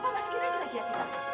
kita akan pergi ke sana saja